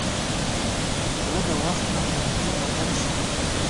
زړه د وخت په تېرېدو بدل شي.